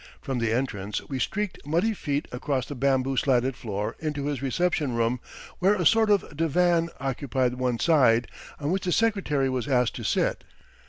From the entrance we streaked muddy feet across the bamboo slatted floor into his reception room, where a sort of divan occupied one side on which the Secretary was asked to sit.